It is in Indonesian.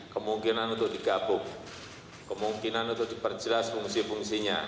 kemungkinan untuk digabung kemungkinan untuk diperjelas fungsi fungsinya